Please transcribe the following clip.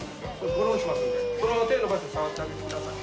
ゴロンしますのでそのまま手を伸ばして触ってあげてください。